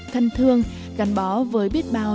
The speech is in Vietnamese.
thân thương gắn bó với biết bao